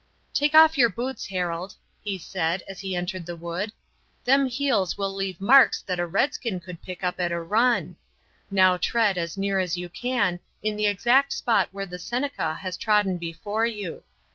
"Take off your boots, Harold," he said as he entered the wood. "Them heels will leave marks that a redskin could pick up at a run. Now tread, as near as you can, in the exact spot where the Seneca has trodden before you.